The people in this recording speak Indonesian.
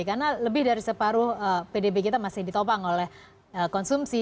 karena lebih dari separuh pdb kita masih ditopang oleh konsumsi